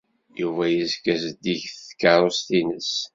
Yuba tezga zeddiget tkeṛṛust-nnes.